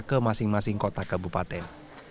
ke masing masing kota kabupaten